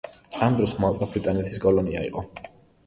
ამ დროს მალტა ბრიტანეთის კოლონია იყო.